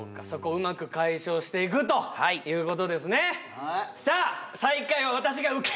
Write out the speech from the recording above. そこをうまく解消していくということですねさあ